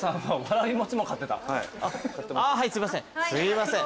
ああすいません。